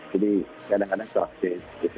jadi kadang kadang suatu hari gitu